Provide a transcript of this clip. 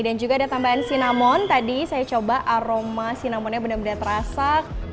dan juga ada tambahan sinamon tadi saya coba aroma sinamonnya benar benar terasa